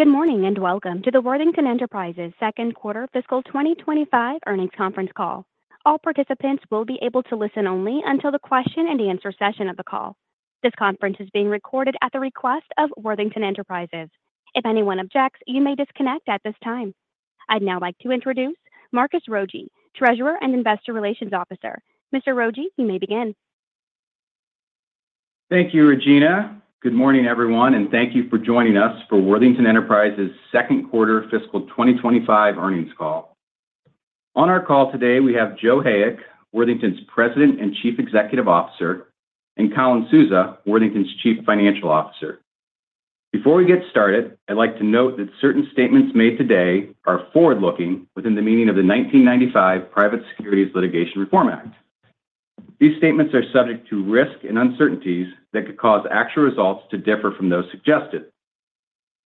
Good morning and welcome to the Worthington Enterprises Second Quarter Fiscal 2025 earnings conference call. All participants will be able to listen only until the question-and-answer session of the call. This conference is being recorded at the request of Worthington Enterprises. If anyone objects, you may disconnect at this time. I'd now like to introduce Marcus Rogier, Treasurer and Investor Relations Officer. Mr. Rogier, you may begin. Thank you, Regina. Good morning, everyone, and thank you for joining us for Worthington Enterprises second quarter fiscal 2025 earnings call. On our call today, we have Joe Hayek, Worthington's President and Chief Executive Officer, and Colin Souza, Worthington's Chief Financial Officer. Before we get started, I'd like to note that certain statements made today are forward-looking within the meaning of the Private Securities Litigation Reform Act of 1995. These statements are subject to risk and uncertainties that could cause actual results to differ from those suggested.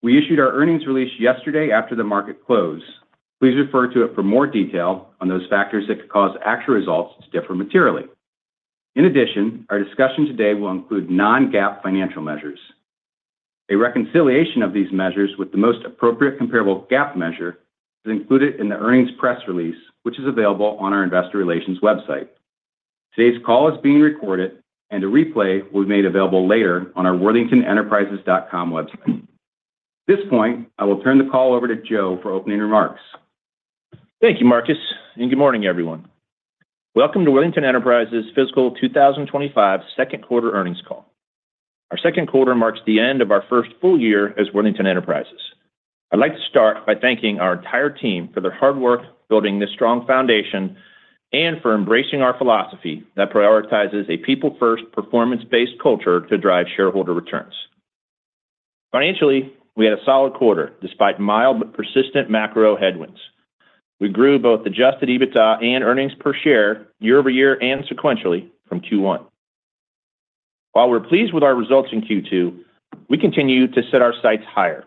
We issued our earnings release yesterday after the market closed. Please refer to it for more detail on those factors that could cause actual results to differ materially. In addition, our discussion today will include non-GAAP financial measures. A reconciliation of these measures with the most appropriate comparable GAAP measure is included in the earnings press release, which is available on our Investor Relations website. Today's call is being recorded, and a replay will be made available later on our worthingtonenterprises.com website. At this point, I will turn the call over to Joe for opening remarks. Thank you, Marcus, and good morning, everyone. Welcome to Worthington Enterprises Fiscal 2025 Second Quarter earnings call. Our second quarter marks the end of our first full year as Worthington Enterprises. I'd like to start by thanking our entire team for their hard work building this strong foundation and for embracing our philosophy that prioritizes a people-first, performance-based culture to drive shareholder returns. Financially, we had a solid quarter despite mild but persistent macro headwinds. We grew both Adjusted EBITDA and Earnings Per Share year-over-year and sequentially from Q1. While we're pleased with our results in Q2, we continue to set our sights higher.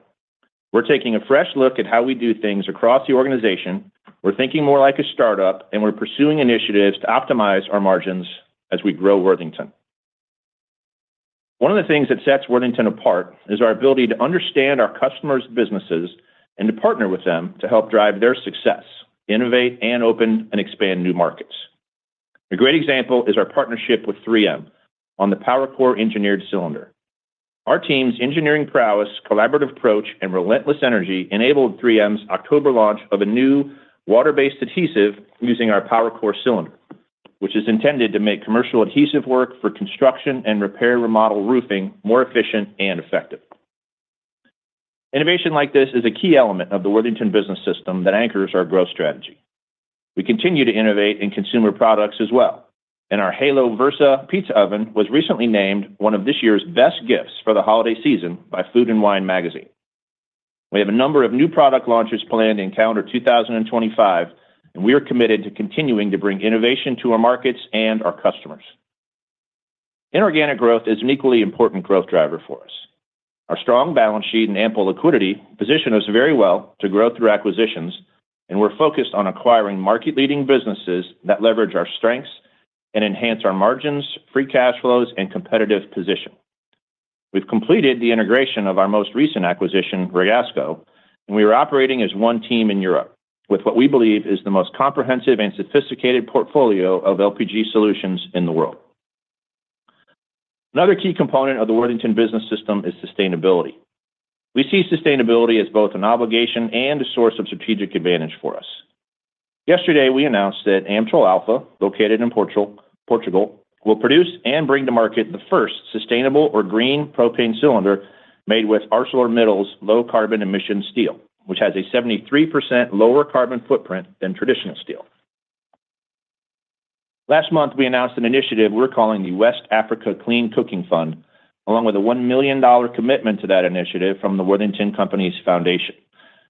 We're taking a fresh look at how we do things across the organization. We're thinking more like a startup, and we're pursuing initiatives to optimize our margins as we grow Worthington. One of the things that sets Worthington apart is our ability to understand our customers' businesses and to partner with them to help drive their success, innovate, and open and expand new markets. A great example is our partnership with 3M on the PowerCore engineered cylinder. Our team's engineering prowess, collaborative approach, and relentless energy enabled 3M's October launch of a new water-based adhesive using our PowerCore cylinder, which is intended to make commercial adhesive work for construction and repair remodel roofing more efficient and effective. Innovation like this is a key element of the Worthington Business System that anchors our growth strategy. We continue to innovate in consumer products as well, and our Halo Versa pizza oven was recently named one of this year's best gifts for the holiday season by Food & Wine Magazine. We have a number of new product launches planned in calendar 2025, and we are committed to continuing to bring innovation to our markets and our customers. Inorganic growth is an equally important growth driver for us. Our strong balance sheet and ample liquidity position us very well to grow through acquisitions, and we're focused on acquiring market-leading businesses that leverage our strengths and enhance our margins, free cash flows, and competitive position. We've completed the integration of our most recent acquisition, Hexagon Ragasco, and we are operating as one team in Europe with what we believe is the most comprehensive and sophisticated portfolio of LPG solutions in the world. Another key component of the Worthington Business System is sustainability. We see sustainability as both an obligation and a source of strategic advantage for us. Yesterday, we announced that Amtrol-Alfa, located in Portugal, will produce and bring to market the first sustainable or green propane cylinder made with ArcelorMittal's low-carbon emission steel, which has a 73% lower carbon footprint than traditional steel. Last month, we announced an initiative we're calling the West Africa Clean Cooking Fund, along with a $1 million commitment to that initiative from the Worthington Company's foundation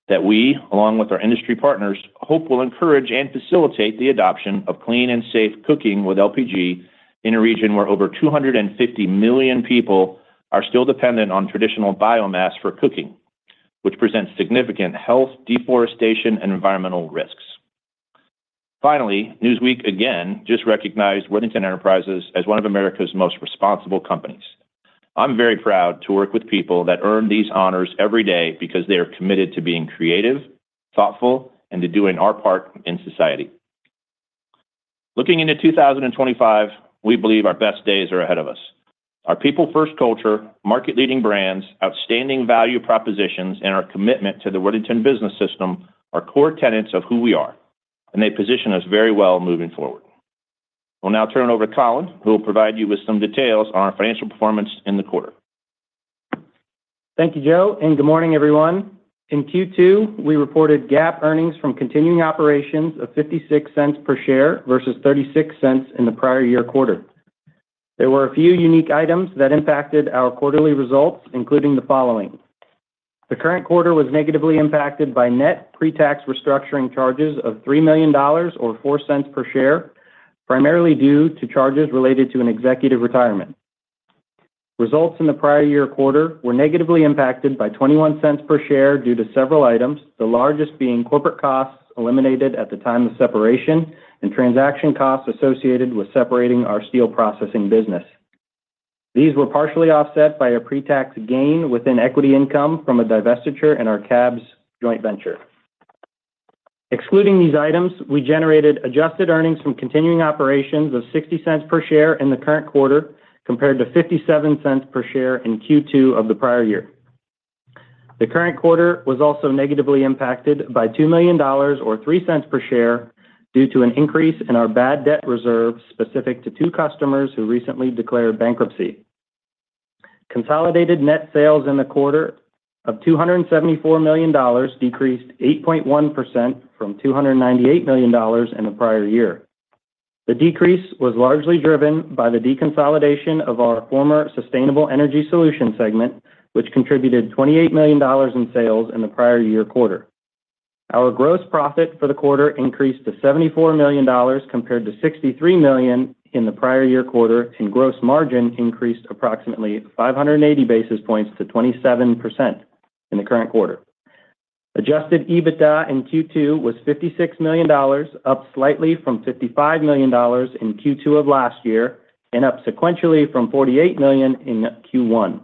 that we, along with our industry partners, hope will encourage and facilitate the adoption of clean and safe cooking with LPG in a region where over 250 million people are still dependent on traditional biomass for cooking, which presents significant health, deforestation, and environmental risks. Finally, Newsweek again just recognized Worthington Enterprises as one of America's most responsible companies. I'm very proud to work with people that earn these honors every day because they are committed to being creative, thoughtful, and to doing our part in society. Looking into 2025, we believe our best days are ahead of us. Our people-first culture, market-leading brands, outstanding value propositions, and our commitment to the Worthington Business System are core tenets of who we are, and they position us very well moving forward. I'll now turn it over to Colin, who will provide you with some details on our financial performance in the quarter. Thank you, Joe, and good morning, everyone. In Q2, we reported GAAP earnings from continuing operations of $0.56 per share versus $0.36 in the prior year quarter. There were a few unique items that impacted our quarterly results, including the following. The current quarter was negatively impacted by net pre-tax restructuring charges of $3 million or $0.04 per share, primarily due to charges related to an executive retirement. Results in the prior year quarter were negatively impacted by $0.21 per share due to several items, the largest being corporate costs eliminated at the time of separation and transaction costs associated with separating our steel processing business. These were partially offset by a pre-tax gain within equity income from a divestiture in our CABS joint venture. Excluding these items, we generated adjusted earnings from continuing operations of $0.60 per share in the current quarter compared to $0.57 per share in Q2 of the prior year. The current quarter was also negatively impacted by $2 million or $0.03 per share due to an increase in our bad debt reserve specific to two customers who recently declared bankruptcy. Consolidated net sales in the quarter of $274 million decreased 8.1% from $298 million in the prior year. The decrease was largely driven by the deconsolidation of our former Sustainable Energy Solutions segment, which contributed $28 million in sales in the prior year quarter. Our gross profit for the quarter increased to $74 million compared to $63 million in the prior year quarter, and gross margin increased approximately 580 basis points to 27% in the current quarter. Adjusted EBITDA in Q2 was $56 million, up slightly from $55 million in Q2 of last year and up sequentially from $48 million in Q1.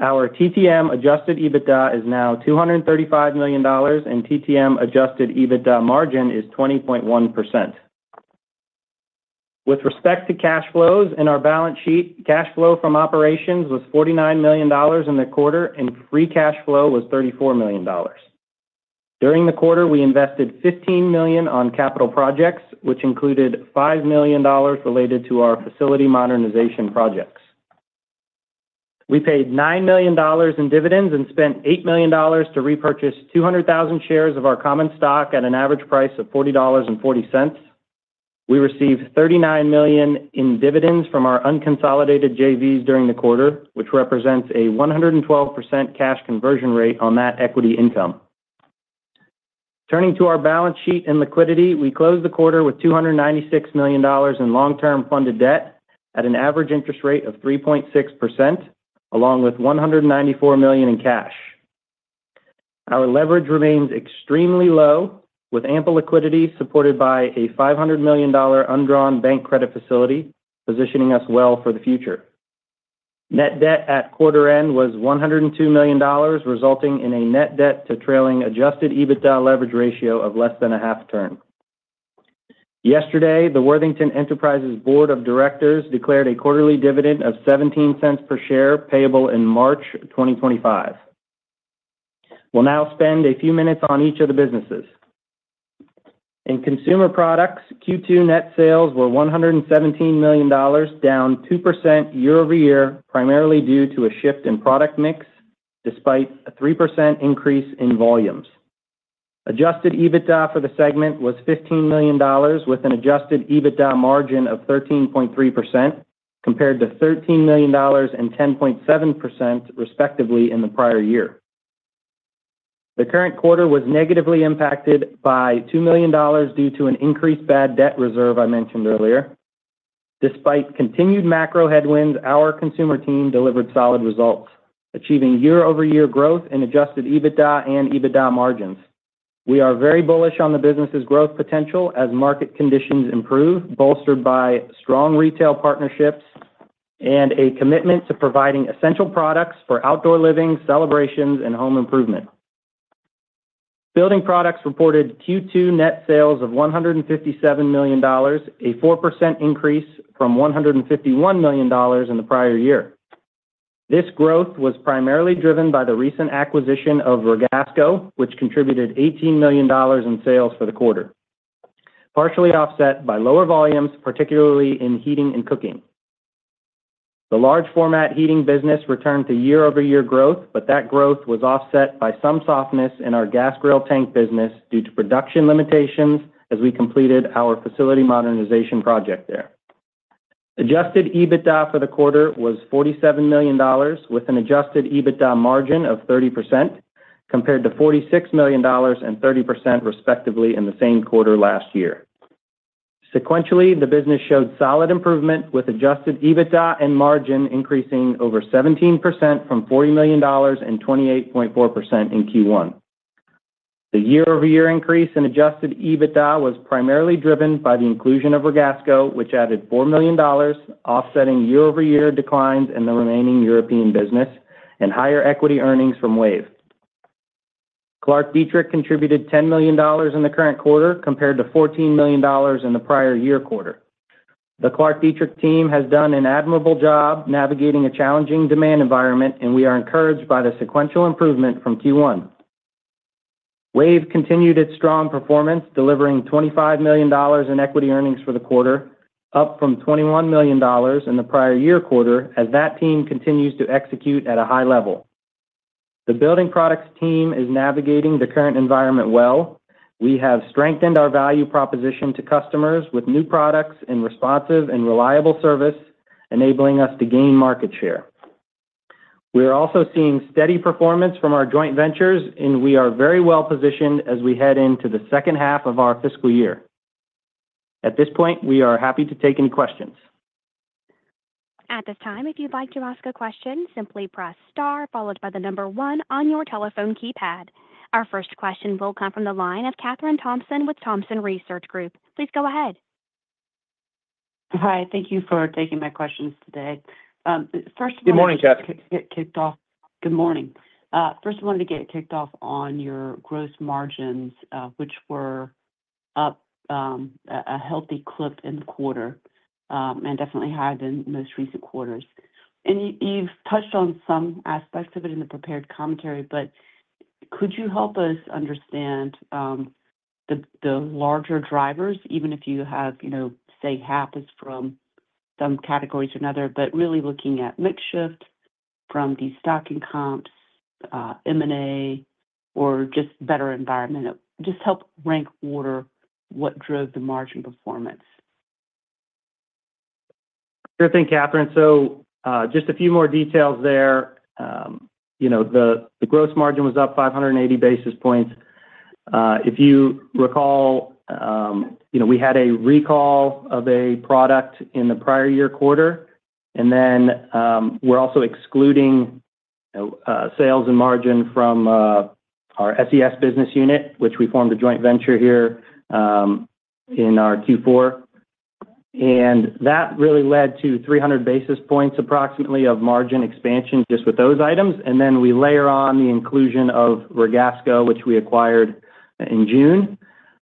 Our TTM adjusted EBITDA is now $235 million, and TTM adjusted EBITDA margin is 20.1%. With respect to cash flows in our balance sheet, cash flow from operations was $49 million in the quarter, and free cash flow was $34 million. During the quarter, we invested $15 million on capital projects, which included $5 million related to our facility modernization projects. We paid $9 million in dividends and spent $8 million to repurchase 200,000 shares of our common stock at an average price of $40.40. We received $39 million in dividends from our unconsolidated JVs during the quarter, which represents a 112% cash conversion rate on that equity income. Turning to our balance sheet and liquidity, we closed the quarter with $296 million in long-term funded debt at an average interest rate of 3.6%, along with $194 million in cash. Our leverage remains extremely low, with ample liquidity supported by a $500 million undrawn bank credit facility, positioning us well for the future. Net debt at quarter end was $102 million, resulting in a net debt to trailing Adjusted EBITDA leverage ratio of less than a half turn. Yesterday, the Worthington Enterprises Board of Directors declared a quarterly dividend of $0.17 per share payable in March 2025. We'll now spend a few minutes on each of the businesses. In consumer products, Q2 net sales were $117 million, down 2% year-over-year, primarily due to a shift in product mix despite a 3% increase in volumes. Adjusted EBITDA for the segment was $15 million, with an adjusted EBITDA margin of 13.3% compared to $13 million and 10.7% respectively in the prior year. The current quarter was negatively impacted by $2 million due to an increased bad debt reserve I mentioned earlier. Despite continued macro headwinds, our consumer team delivered solid results, achieving year-over-year growth in adjusted EBITDA and EBITDA margins. We are very bullish on the business's growth potential as market conditions improve, bolstered by strong retail partnerships and a commitment to providing essential products for outdoor living, celebrations, and home improvement. Building products reported Q2 net sales of $157 million, a 4% increase from $151 million in the prior year. This growth was primarily driven by the recent acquisition of Hexagon Ragasco, which contributed $18 million in sales for the quarter, partially offset by lower volumes, particularly in heating and cooking. The large-format heating business returned to year-over-year growth, but that growth was offset by some softness in our gas grill tank business due to production limitations as we completed our facility modernization project there. Adjusted EBITDA for the quarter was $47 million, with an adjusted EBITDA margin of 30% compared to $46 million and 30% respectively in the same quarter last year. Sequentially, the business showed solid improvement, with adjusted EBITDA and margin increasing over 17% from $40 million and 28.4% in Q1. The year-over-year increase in adjusted EBITDA was primarily driven by the inclusion of Hexagon Ragasco, which added $4 million, offsetting year-over-year declines in the remaining European business and higher equity earnings from WAVE. ClarkDietrich contributed $10 million in the current quarter compared to $14 million in the prior year quarter. The ClarkDietrich team has done an admirable job navigating a challenging demand environment, and we are encouraged by the sequential improvement from Q1. WAVE continued its strong performance, delivering $25 million in equity earnings for the quarter, up from $21 million in the prior year quarter, as that team continues to execute at a high level. The Building Products team is navigating the current environment well. We have strengthened our value proposition to customers with new products and responsive and reliable service, enabling us to gain market share. We are also seeing steady performance from our joint ventures, and we are very well positioned as we head into the second half of our fiscal year. At this point, we are happy to take any questions. At this time, if you'd like to ask a question, simply press star followed by the number one on your telephone keypad. Our first question will come from the line of Kathryn Thompson with Thompson Research Group. Please go ahead. Hi. Thank you for taking my questions today. First of all. Good morning, Kathryn. Kicked off. Good morning. First, I wanted to kick off on your gross margins, which were a healthy clip in the quarter and definitely higher than most recent quarters. And you've touched on some aspects of it in the prepared commentary, but could you help us understand the larger drivers, even if you have, say, half is from some categories or another, but really looking at mix shift from the stocking comps, M&A, or just better environment? Just help rank order what drove the margin performance. Sure thing, Kathryn. So just a few more details there. The gross margin was up 580 basis points. If you recall, we had a recall of a product in the prior year quarter, and then we're also excluding sales and margin from our SES business unit, which we formed a joint venture here in our Q4. And that really led to 300 basis points approximately of margin expansion just with those items. And then we layer on the inclusion of Hexagon Ragasco, which we acquired in June.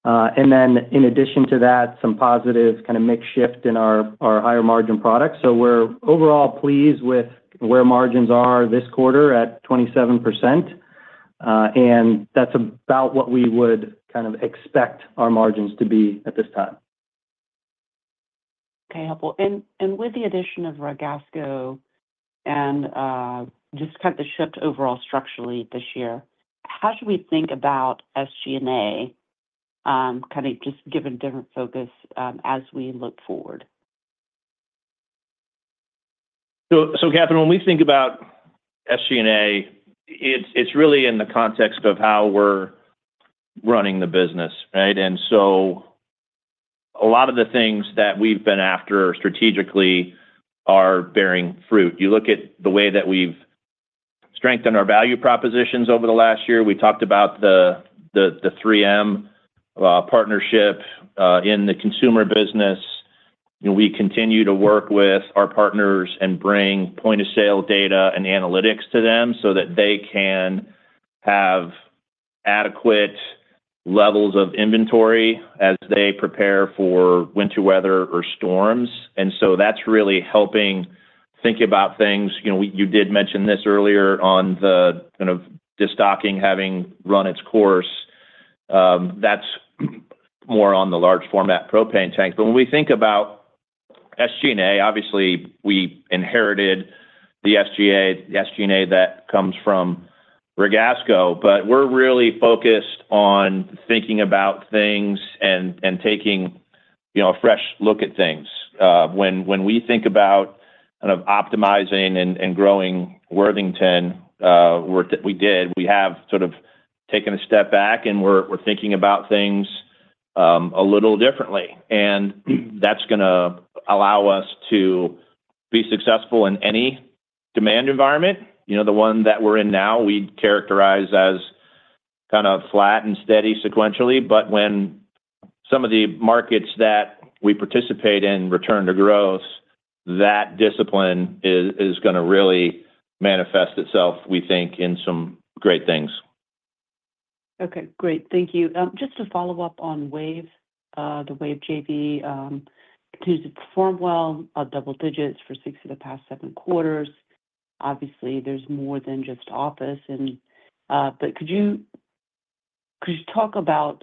And then, in addition to that, some positive kind of mix shift in our higher margin products. So we're overall pleased with where margins are this quarter at 27%. And that's about what we would kind of expect our margins to be at this time. Okay. Helpful. And with the addition of Hexagon Ragasco and just kind of the shift overall structurally this year, how should we think about SG&A kind of just given different focus as we look forward? So, Kathryn, when we think about SG&A, it's really in the context of how we're running the business, right? And so a lot of the things that we've been after strategically are bearing fruit. You look at the way that we've strengthened our value propositions over the last year. We talked about the 3M partnership in the consumer business. We continue to work with our partners and bring point-of-sale data and analytics to them so that they can have adequate levels of inventory as they prepare for winter weather or storms. And so that's really helping think about things. You did mention this earlier on the kind of destocking having run its course. That's more on the large-format propane tanks. But when we think about SG&A, obviously, we inherited the SG&A that comes from Hexagon Ragasco, but we're really focused on thinking about things and taking a fresh look at things. When we think about kind of optimizing and growing Worthington, we did. We have sort of taken a step back, and we're thinking about things a little differently. And that's going to allow us to be successful in any demand environment. The one that we're in now, we'd characterize as kind of flat and steady sequentially. But when some of the markets that we participate in return to growth, that discipline is going to really manifest itself, we think, in some great things. Okay. Great. Thank you. Just to follow up on WAVE, the WAVE JV continues to perform well, double digits for six of the past seven quarters. Obviously, there's more than just office. But could you talk about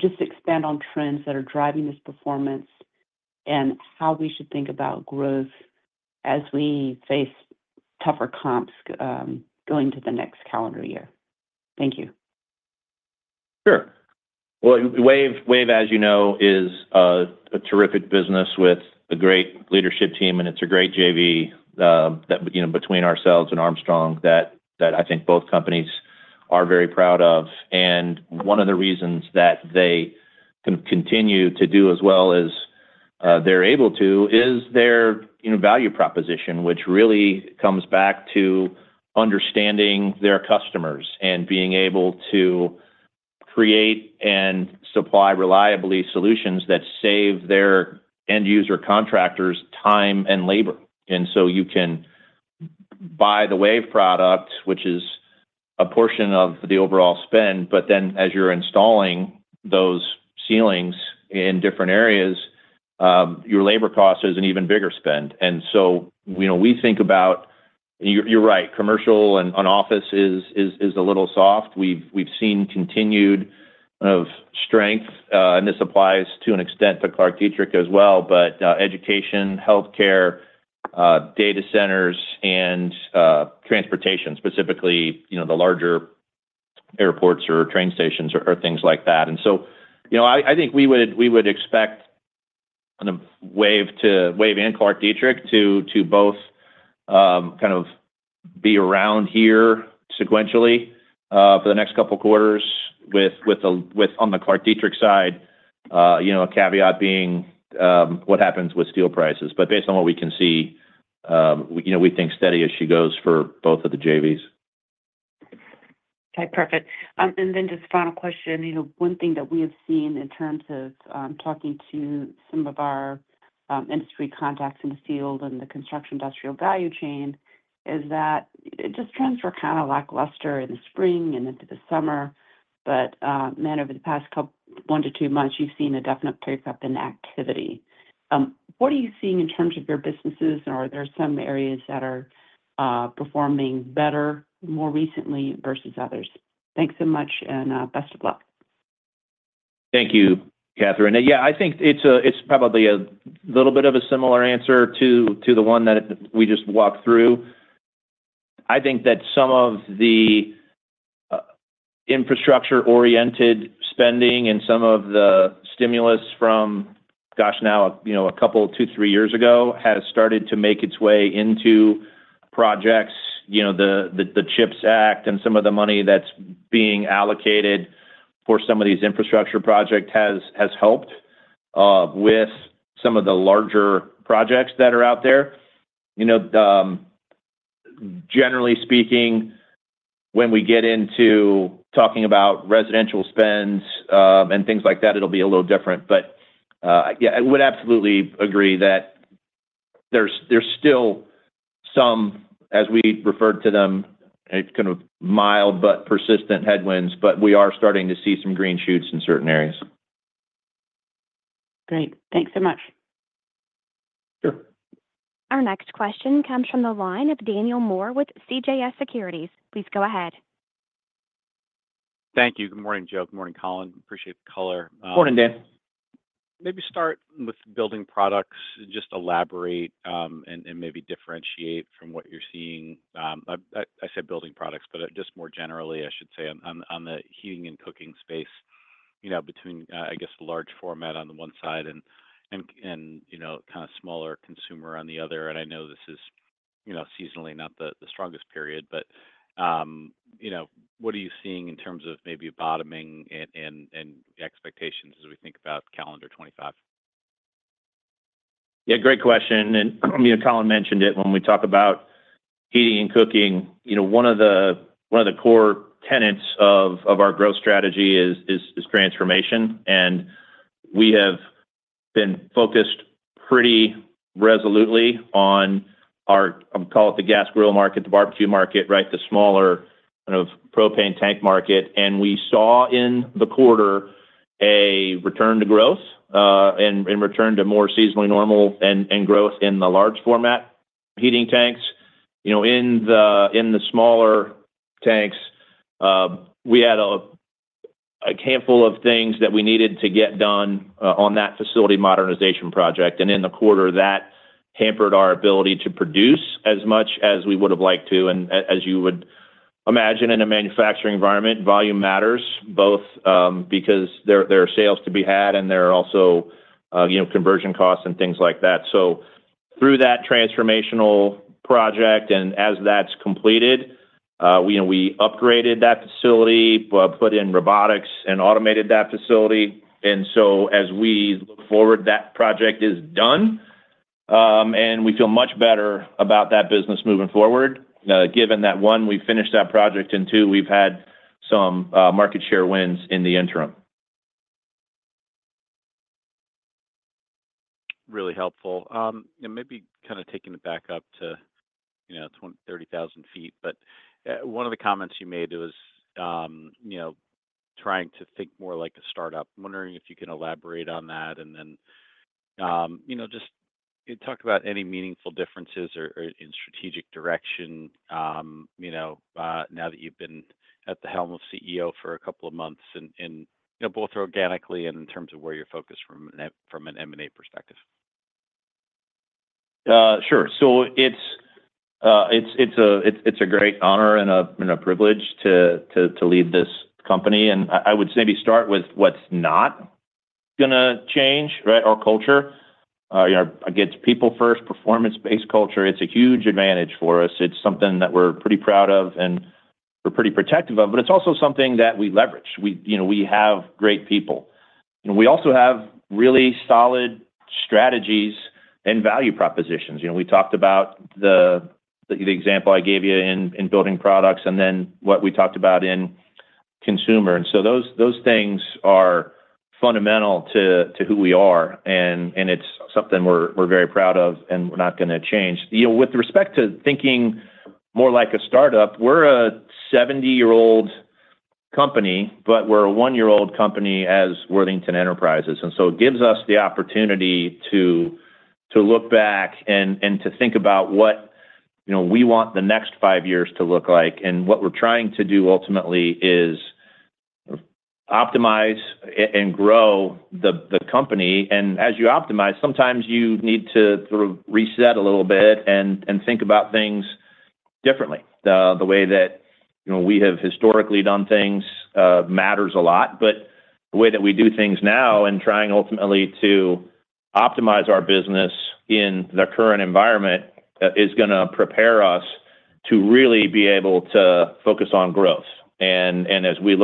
just expand on trends that are driving this performance and how we should think about growth as we face tougher comps going to the next calendar year? Thank you. Sure. Well, WAVE, as you know, is a terrific business with a great leadership team, and it's a great JV between ourselves and Armstrong that I think both companies are very proud of. And one of the reasons that they kind of continue to do as well as they're able to is their value proposition, which really comes back to understanding their customers and being able to create and supply reliably solutions that save their end user contractors time and labor. And so you can buy the WAVE product, which is a portion of the overall spend, but then as you're installing those ceilings in different areas, your labor cost is an even bigger spend. And so we think about, you're right, commercial and non-office is a little soft. We've seen continued strength, and this applies to an extent to ClarkDietrich as well, but education, healthcare, data centers, and transportation, specifically the larger airports or train stations or things like that, and so I think we would expect WAVE and ClarkDietrich to both kind of be around here sequentially for the next couple of quarters on the ClarkDietrich side, a caveat being what happens with steel prices, but based on what we can see, we think steady as she goes for both of the JVs. Okay. Perfect. And then just final question. One thing that we have seen in terms of talking to some of our industry contacts in the field and the construction industrial value chain is that just trends were kind of lackluster in the spring and into the summer, but then over the past one to two months, you've seen a definite pickup in activity. What are you seeing in terms of your businesses, or are there some areas that are performing better more recently versus others? Thanks so much, and best of luck. Thank you, Kathryn. And yeah, I think it's probably a little bit of a similar answer to the one that we just walked through. I think that some of the infrastructure-oriented spending and some of the stimulus from, gosh, now a couple, two, three years ago has started to make its way into projects. The CHIPS Act and some of the money that's being allocated for some of these infrastructure projects has helped with some of the larger projects that are out there. Generally speaking, when we get into talking about residential spends and things like that, it'll be a little different. But yeah, I would absolutely agree that there's still some, as we referred to them, kind of mild but persistent headwinds, but we are starting to see some green shoots in certain areas. Great. Thanks so much. Sure. Our next question comes from the line of Daniel Moore with CJS Securities. Please go ahead. Thank you. Good morning, Joe. Good morning, Colin. Appreciate the caller. Morning, Dan. Maybe start with building products, just elaborate and maybe differentiate from what you're seeing. I said building products, but just more generally, I should say, on the heating and cooking space between, I guess, the large format on the one side and kind of smaller consumer on the other. And I know this is seasonally not the strongest period, but what are you seeing in terms of maybe bottoming and expectations as we think about calendar 2025? Yeah. Great question. And Colin mentioned it when we talk about heating and cooking. One of the core tenets of our growth strategy is transformation. And we have been focused pretty resolutely on our, I'll call it the gas grill market, the barbecue market, right, the smaller kind of propane tank market. And we saw in the quarter a return to growth and return to more seasonally normal and growth in the large format heating tanks. In the smaller tanks, we had a handful of things that we needed to get done on that facility modernization project. And in the quarter, that hampered our ability to produce as much as we would have liked to. And as you would imagine, in a manufacturing environment, volume matters, both because there are sales to be had and there are also conversion costs and things like that. Through that transformational project and as that's completed, we upgraded that facility, put in robotics, and automated that facility. As we look forward, that project is done, and we feel much better about that business moving forward, given that, one, we finished that project, and two, we've had some market share wins in the interim. Really helpful, and maybe kind of taking it back up to 20,000, 30,000 feet. But one of the comments you made, it was trying to think more like a startup. I'm wondering if you can elaborate on that and then just talk about any meaningful differences or in strategic direction now that you've been at the helm of CEO for a couple of months and both organically and in terms of where you're focused from an M&A perspective. Sure. So it's a great honor and a privilege to lead this company. And I would maybe start with what's not going to change, right, our culture. A people first, performance-based culture, it's a huge advantage for us. It's something that we're pretty proud of and we're pretty protective of, but it's also something that we leverage. We have great people. We also have really solid strategies and value propositions. We talked about the example I gave you in building products and then what we talked about in consumer. And so those things are fundamental to who we are, and it's something we're very proud of and we're not going to change. With respect to thinking more like a startup, we're a 70-year-old company, but we're a one-year-old company as Worthington Enterprises. And so it gives us the opportunity to look back and to think about what we want the next five years to look like. And what we're trying to do ultimately is optimize and grow the company. And as you optimize, sometimes you need to sort of reset a little bit and think about things differently. The way that we have historically done things matters a lot, but the way that we do things now and trying ultimately to optimize our business in the current environment is going to prepare us to really be able to focus on growth. As we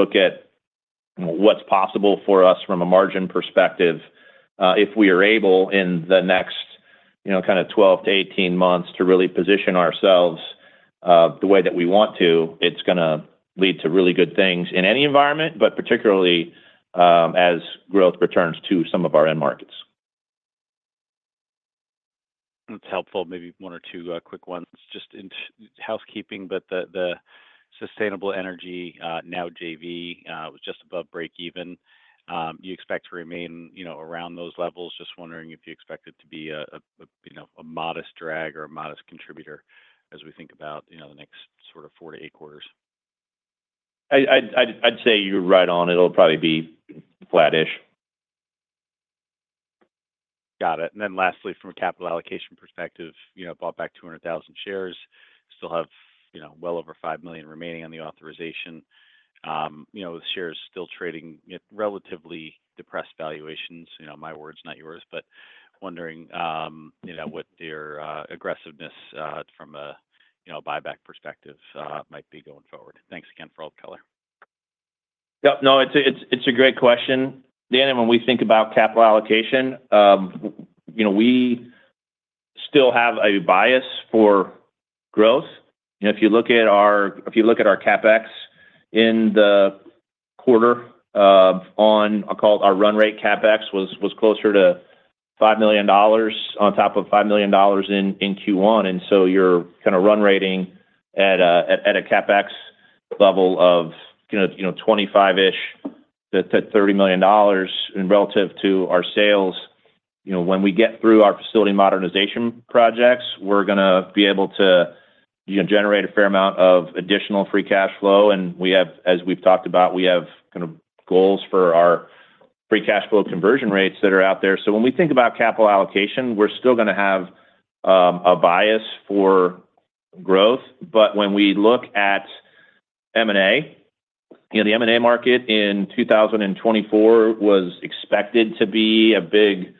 look at what's possible for us from a margin perspective, if we are able in the next kind of 12-18 months to really position ourselves the way that we want to, it's going to lead to really good things in any environment, but particularly as growth returns to some of our end markets. That's helpful. Maybe one or two quick ones. Just housekeeping, but the Sustainable Energy Solutions JV was just above break-even. You expect to remain around those levels? Just wondering if you expect it to be a modest drag or a modest contributor as we think about the next sort of four to eight quarters. I'd say you're right on. It'll probably be flattish. Got it. And then lastly, from a capital allocation perspective, bought back 200,000 shares, still have well over 5 million remaining on the authorization. The shares are still trading at relatively depressed valuations. My words, not yours, but wondering what their aggressiveness from a buyback perspective might be going forward. Thanks again for all the color. Yep. No, it's a great question. Dan, when we think about capital allocation, we still have a bias for growth. If you look at our CapEx in the quarter on, I'll call it our run rate CapEx was closer to $5 million on top of $5 million in Q1. And so you're kind of run rating at a CapEx level of 25% to $30 million relative to our sales. When we get through our facility modernization projects, we're going to be able to generate a fair amount of additional free cash flow. And as we've talked about, we have kind of goals for our free cash flow conversion rates that are out there. So when we think about capital allocation, we're still going to have a bias for growth. But when we look at M&A, the M&A market in 2024 was expected to be a big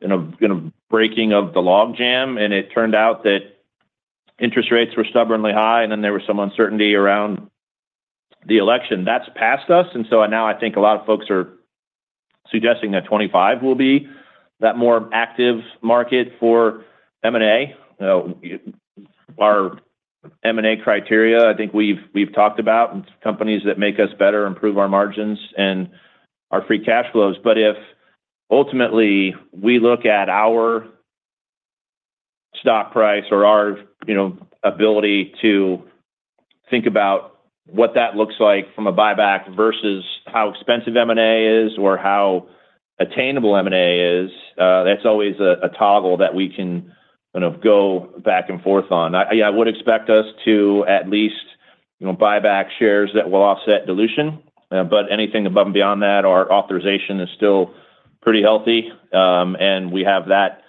kind of breaking of the logjam, and it turned out that interest rates were stubbornly high, and then there was some uncertainty around the election. That's past us, and so now I think a lot of folks are suggesting that 2025 will be that more active market for M&A. Our M&A criteria, I think we've talked about, and companies that make us better improve our margins and our free cash flows. But if ultimately we look at our stock price or our ability to think about what that looks like from a buyback versus how expensive M&A is or how attainable M&A is, that's always a toggle that we can kind of go back and forth on. I would expect us to at least buy back shares that will offset dilution, but anything above and beyond that, our authorization is still pretty healthy, and we have that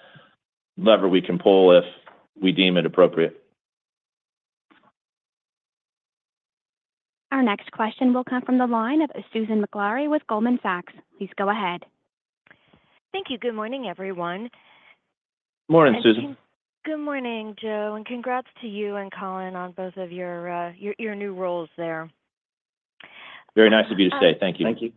lever we can pull if we deem it appropriate. Our next question will come from the line of Susan Maklari with Goldman Sachs. Please go ahead. Thank you. Good morning, everyone. Morning, Susan. Good morning, Joe. And congrats to you and Colin on both of your new roles there. Very nice of you to stay. Thank you. Thank you.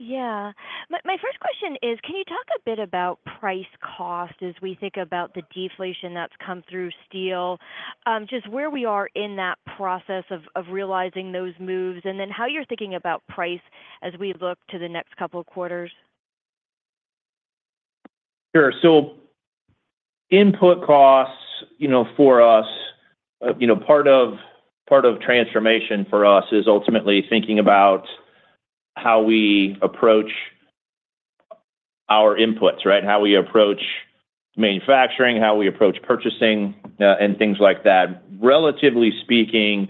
Yeah. My first question is, can you talk a bit about price cost as we think about the deflation that's come through steel, just where we are in that process of realizing those moves, and then how you're thinking about price as we look to the next couple of quarters? Sure. So input costs for us, part of transformation for us is ultimately thinking about how we approach our inputs, right, how we approach manufacturing, how we approach purchasing, and things like that. Relatively speaking,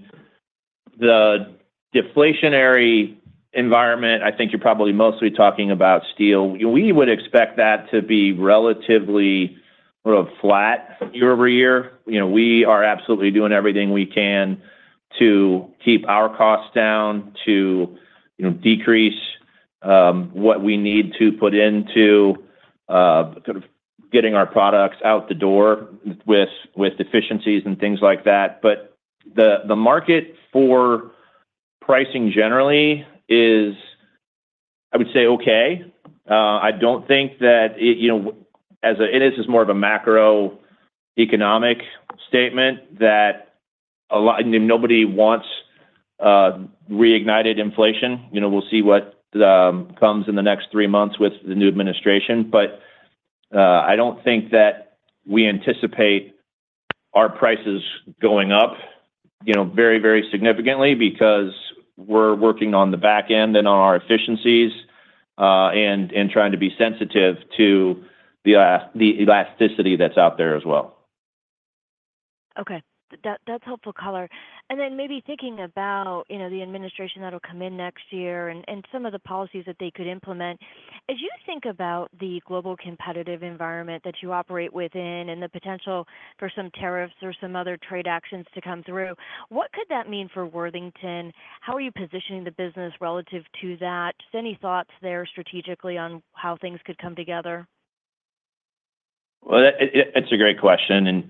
the deflationary environment, I think you're probably mostly talking about steel. We would expect that to be relatively sort of flat year over year. We are absolutely doing everything we can to keep our costs down, to decrease what we need to put into sort of getting our products out the door with deficiencies and things like that. But the market for pricing generally is, I would say, okay. I don't think that it is just more of a macroeconomic statement that nobody wants reignited inflation. We'll see what comes in the next three months with the new administration. But I don't think that we anticipate our prices going up very, very significantly because we're working on the back end and on our efficiencies and trying to be sensitive to the elasticity that's out there as well. Okay. That's helpful, Colin, and then maybe thinking about the administration that'll come in next year and some of the policies that they could implement, as you think about the global competitive environment that you operate within and the potential for some tariffs or some other trade actions to come through, what could that mean for Worthington? How are you positioning the business relative to that? Just any thoughts there strategically on how things could come together? It's a great question. And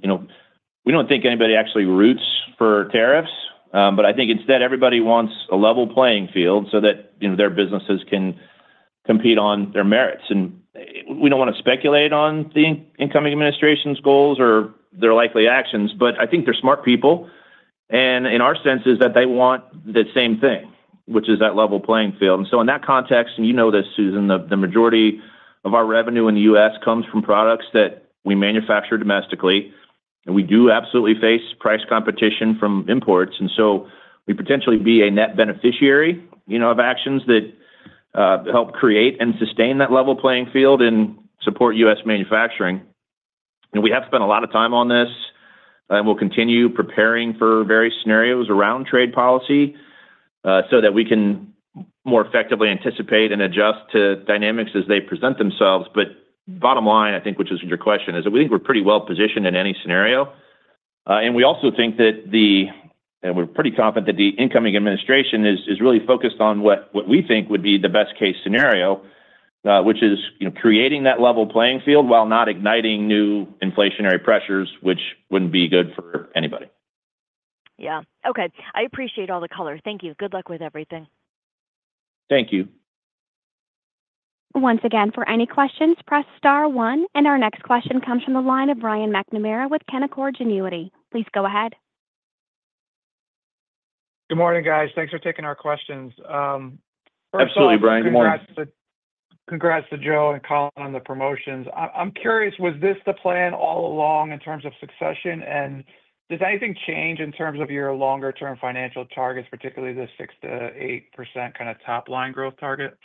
we don't think anybody actually roots for tariffs, but I think instead everybody wants a level playing field so that their businesses can compete on their merits. And we don't want to speculate on the incoming administration's goals or their likely actions, but I think they're smart people. And it makes sense that they want the same thing, which is that level playing field. And so in that context, and you know this, Susan, the majority of our revenue in the U.S. comes from products that we manufacture domestically. And we do absolutely face price competition from imports. And so we could potentially be a net beneficiary of actions that help create and sustain that level playing field and support U.S. manufacturing. We have spent a lot of time on this, and we'll continue preparing for various scenarios around trade policy so that we can more effectively anticipate and adjust to dynamics as they present themselves. Bottom line, I think, which is your question, is that we think we're pretty well positioned in any scenario. We also think that, and we're pretty confident that the incoming administration is really focused on what we think would be the best-case scenario, which is creating that level playing field while not igniting new inflationary pressures, which wouldn't be good for anybody. Yeah. Okay. I appreciate all the color. Thank you. Good luck with everything. Thank you. Once again, for any questions, press star one. And our next question comes from the line of Brian McNamara with Canaccord Genuity. Please go ahead. Good morning, guys. Thanks for taking our questions. Absolutely, Brian. Good morning. Congrats to Joe and Colin on the promotions. I'm curious, was this the plan all along in terms of succession? And does anything change in terms of your longer-term financial targets, particularly the 6%-8% kind of top-line growth target?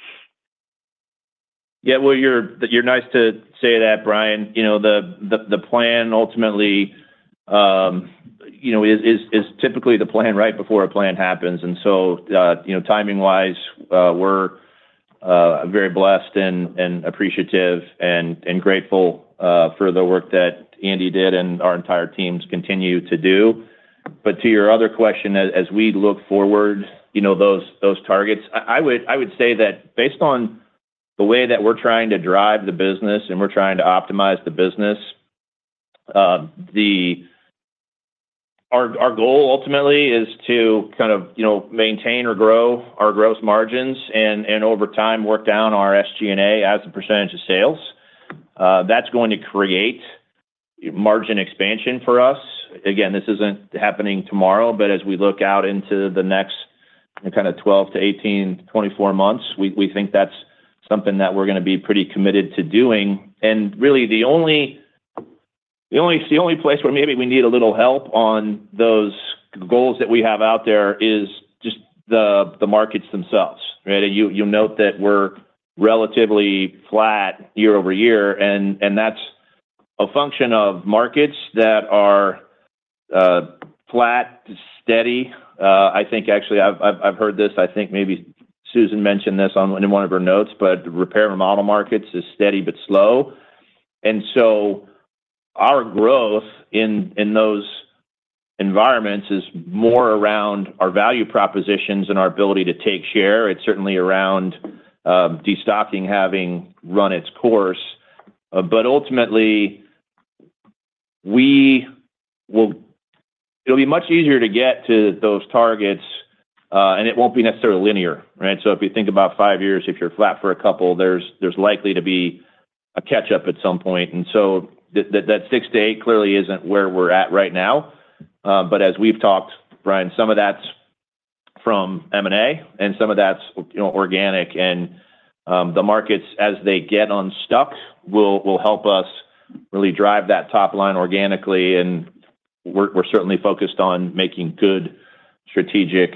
Yeah. Well, you're nice to say that, Brian. The plan ultimately is typically the plan right before a plan happens. And so timing-wise, we're very blessed and appreciative and grateful for the work that Andy did and our entire teams continue to do. But to your other question, as we look forward, those targets, I would say that based on the way that we're trying to drive the business and we're trying to optimize the business, our goal ultimately is to kind of maintain or grow our gross margins and over time work down our SG&A as a percentage of sales. That's going to create margin expansion for us. Again, this isn't happening tomorrow, but as we look out into the next kind of 12-18, 24 months, we think that's something that we're going to be pretty committed to doing. And really, the only place where maybe we need a little help on those goals that we have out there is just the markets themselves, right? You note that we're relatively flat year over year, and that's a function of markets that are flat, steady. I think actually I've heard this. I think maybe Susan mentioned this in one of her notes, but repair and remodel markets is steady but slow. And so our growth in those environments is more around our value propositions and our ability to take share. It's certainly around destocking having run its course. But ultimately, it'll be much easier to get to those targets, and it won't be necessarily linear, right? So if you think about five years, if you're flat for a couple, there's likely to be a catch-up at some point. So that 6-8 clearly isn't where we're at right now. But as we've talked, Brian, some of that's from M&A and some of that's organic. And the markets, as they get unstuck, will help us really drive that top line organically. And we're certainly focused on making good strategic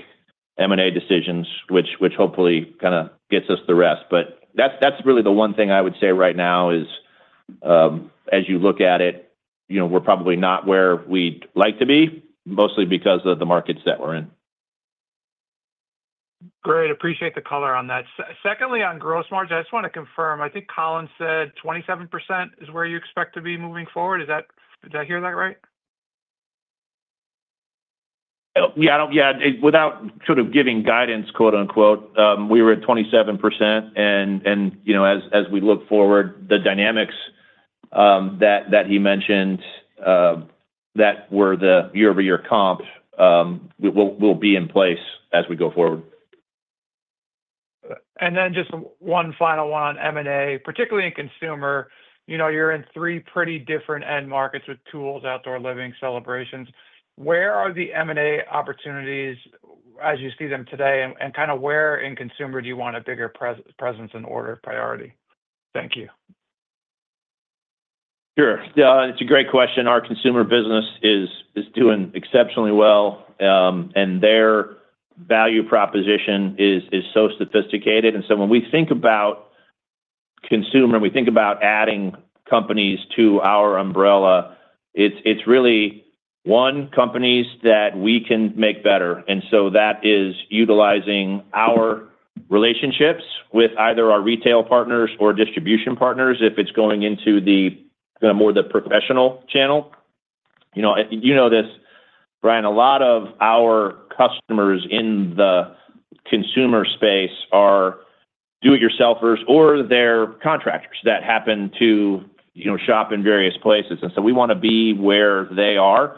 M&A decisions, which hopefully kind of gets us the rest. But that's really the one thing I would say right now is, as you look at it, we're probably not where we'd like to be, mostly because of the markets that we're in. Great. Appreciate the color on that. Secondly, on gross margins, I just want to confirm. I think Colin said 27% is where you expect to be moving forward. Did I hear that right? Without sort of giving guidance, quote-unquote, we were at 27%, and as we look forward, the dynamics that he mentioned that were the year-over-year comp will be in place as we go forward. And then just one final one on M&A, particularly in consumer. You're in three pretty different end markets with tools, outdoor living, celebrations. Where are the M&A opportunities as you see them today? And kind of where in consumer do you want a bigger presence and order priority? Thank you. Sure. It's a great question. Our consumer business is doing exceptionally well, and their value proposition is so sophisticated, and so when we think about consumer and we think about adding companies to our umbrella, it's really one, companies that we can make better, and so that is utilizing our relationships with either our retail partners or distribution partners if it's going into the more of the professional channel. You know this, Brian, a lot of our customers in the consumer space are do-it-yourselfers or they're contractors that happen to shop in various places, and so we want to be where they are,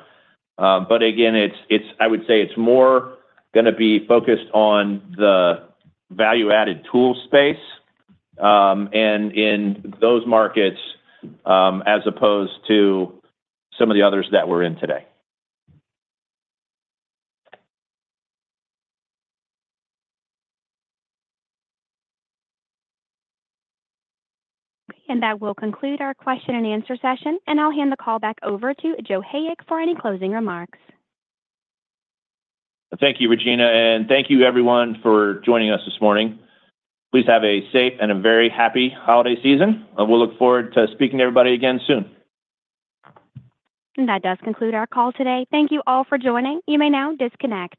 but again, I would say it's more going to be focused on the value-added tool space and in those markets as opposed to some of the others that we're in today. And that will conclude our question and answer session. And I'll hand the call back over to Joe Hayek for any closing remarks. Thank you, Regina. And thank you, everyone, for joining us this morning. Please have a safe and a very happy holiday season. And we'll look forward to speaking to everybody again soon. And that does conclude our call today. Thank you all for joining. You may now disconnect.